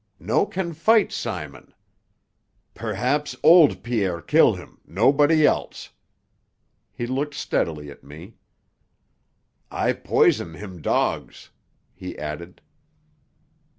No can fight Simon. Perhaps old Pierre kill him, nobody else." He looked steadily at me. "I poison him dogs," he added.